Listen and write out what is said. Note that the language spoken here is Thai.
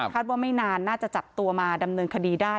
ว่าไม่นานน่าจะจับตัวมาดำเนินคดีได้